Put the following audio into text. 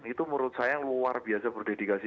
itu menurut saya luar biasa berdedikasi